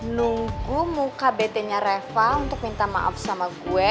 nunggu muka betenya reva untuk minta maaf sama gue